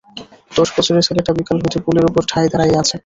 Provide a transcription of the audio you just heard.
দশবছরের ছেলেটা বিকাল হইতে পুলের উপর ঠায় দাড়াইয়া আছে।